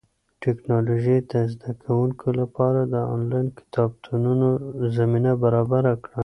ټیکنالوژي د زده کوونکو لپاره د انلاین کتابتونونو زمینه برابره کړه.